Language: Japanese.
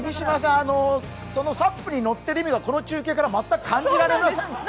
そのＳＵＰに乗っている意味が、この中継から全く感じられません。